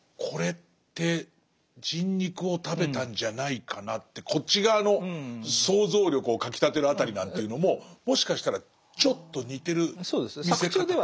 これって人肉を食べたんじゃないかなってこっち側の想像力をかきたてる辺りなんていうのももしかしたらちょっと似てる見せ方も。